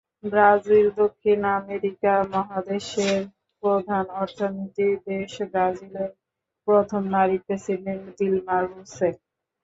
ব্রাজিলদক্ষিণ America মহাদেশের প্রধান অর্থনীতির দেশ ব্রাজিলের প্রথম নারী প্রেসিডেন্ট দিলমা রুসেফ।